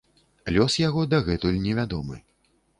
Лёс яго дагэтуль невядомы.